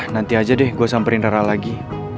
nanti aja deh gue samperin ral lagi